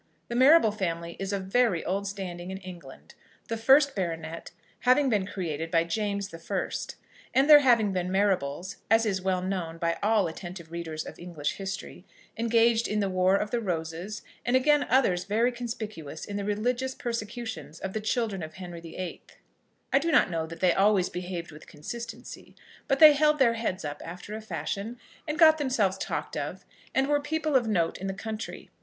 The Marrable family is of very old standing in England, the first baronet having been created by James I., and there having been Marrables, as is well known by all attentive readers of English history, engaged in the Wars of the Roses, and again others very conspicuous in the religious persecutions of the children of Henry VIII. I do not know that they always behaved with consistency; but they held their heads up after a fashion, and got themselves talked of, and were people of note in the country.